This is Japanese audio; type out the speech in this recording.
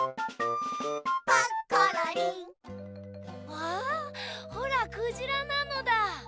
わほらクジラなのだ。